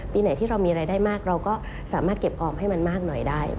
ปีไหนที่เรามีรายได้มากเราก็สามารถเก็บออมให้มันมากหน่อยได้